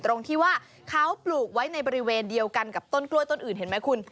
ตรงที่ว่าเขาปลูกไว้ในบริเวณเดียวกันกับต้นกล้วยต้นอื่นเห็นไหมคุณ